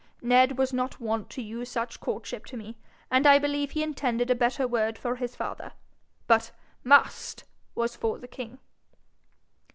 Ned was not wont to use such courtship to me, and I believe he intended a better word for his father; but MUST was for the king.'